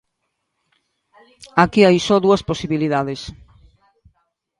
Aquí hai só dúas posibilidades.